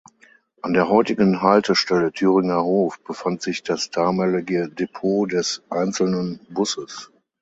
An der heutigen Haltestelle „Thüringer Hof“ befand sich das damalige Depot des einzelnen Busses.